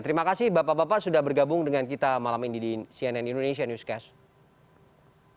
terima kasih bapak bapak sudah bergabung dengan kita malam ini di cnn indonesia newscast